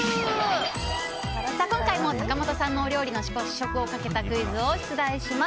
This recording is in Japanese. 今回も坂本さんの料理の試食をかけたクイズを出題します。